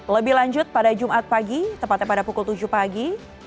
lebih lanjut pada jumat pagi tepatnya pada pukul tujuh pagi